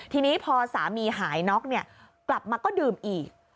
ทีนี้พอสามีหายน็อกเนี่ยกลับมาก็ดื่มอีก